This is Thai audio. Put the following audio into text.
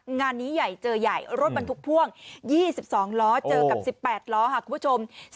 งานนี้ใหญ่เจอใหญ่รถบรรทุกพ่วง๒๒ล้อเจอกับ๑๘ล้อค่ะคุณผู้ชม